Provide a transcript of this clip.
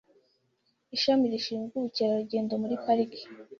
Ishami rishinzwe ubukegerarugendo muri Pariki